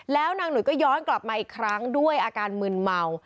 แล้วนางหนุ่ยก็ย้อนกลับมาอีกครั้งด้วยอาการมืนเมา